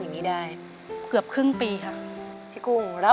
เปลี่ยนเพลงเพลงเก่งของคุณและข้ามผิดได้๑คำ